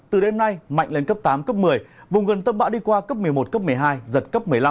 từ đêm nay mạnh lên cấp tám cấp một mươi vùng gần tâm bão đi qua cấp một mươi một cấp một mươi hai giật cấp một mươi năm